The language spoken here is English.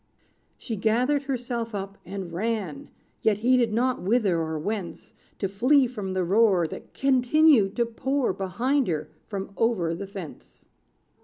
She gathered herself up, and ran, Yet heeded not whither or whence, To flee from the roar, That continued to pour Behind her, from over the fence.